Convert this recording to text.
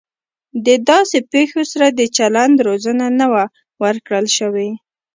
د داسې پیښو سره د چلند روزنه نه وه ورکړل شوې